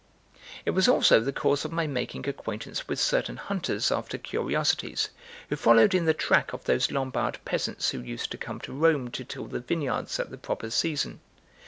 It was also the cause of my making acquaintance with certain hunters after curiosities, who followed in the track of those Lombard peasants who used to come to Rome to till the vineyards at the proper season.